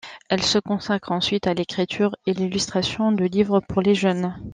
Elle se consacre ensuite à l'écriture et l'illustration de livres pour les jeunes.